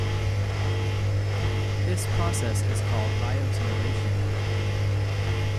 This process is called biotinylation.